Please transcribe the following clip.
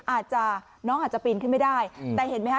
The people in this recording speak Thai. อาจจะน้องอาจจะปีนขึ้นไม่ได้แต่เห็นไหมคะ